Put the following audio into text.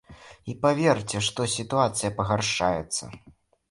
І паверце, што сітуацыя пагаршаецца.